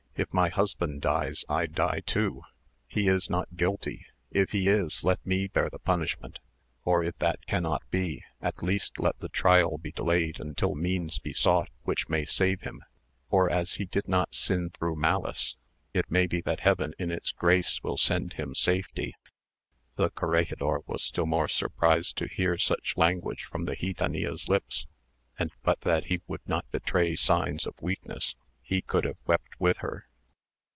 If my husband dies, I die too. He is not guilty; if he is, let me bear the punishment; or if that cannot be, at least let the trial be delayed until means be sought which may save him; for as he did not sin through malice, it may be that heaven in its grace will send him safety." The corregidor was still more surprised to hear such language from the gitanilla's lips, and but that he would not betray signs of weakness, he could have wept with her.